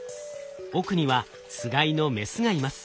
奥にはつがいのメスがいます。